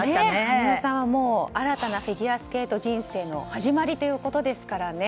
羽生さんは新たなフィギュアスケート人生の始まりですからね。